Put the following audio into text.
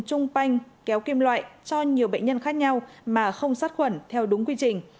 trung panh kéo kim loại cho nhiều bệnh nhân khác nhau mà không sát khuẩn theo đúng quy trình